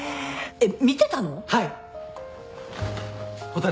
えっ？